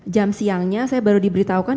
jam siangnya saya baru diberitahukan